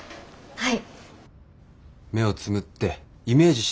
はい。